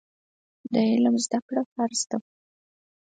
د علم زده کړه فرض ده.